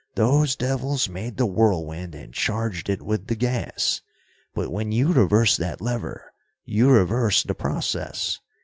"Those devils made the whirlwind and charged it with the gas. But when you reversed that lever, you reversed the process.